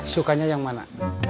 suka yang mana